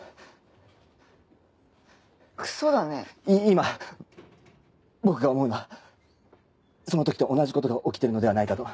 今僕が思うのはその時と同じことが起きてるのではないかと。